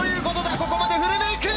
ここまでフルメイク！